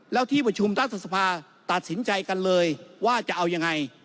แล้วที่เวชุมต้านศาสตราตัดสินใจกันเลยว่าจะเอายังไง